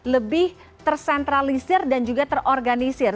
lebih tersentralisir dan juga terorganisir